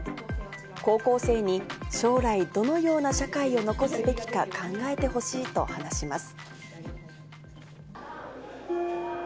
高校生に将来、どのような社会を残すべきか考えてほしいと話します。